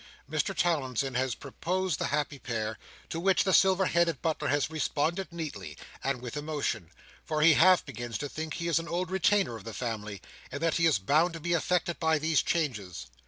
Mr Towlinson has proposed the happy pair; to which the silver headed butler has responded neatly, and with emotion; for he half begins to think he is an old retainer of the family, and that he is bound to be affected by these changes.